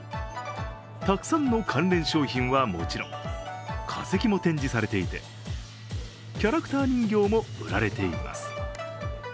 たくさんの関連商品はもちろん化石も展示されていてキャラクター人形も売られています。